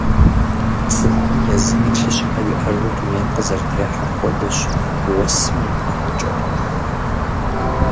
ЦӀыхум езым и лъыщхьэ иӀэжу дунейм къызэрытехьэм хуэдэщ усэми и къэкӀуэкӀэр.